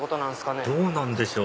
どうなんでしょう？